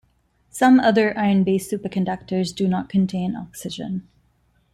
Some other iron-based superconductors do not contain oxygen.